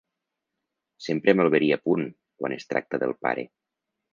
Sempre amb el verí a punt, quan es tracta del pare.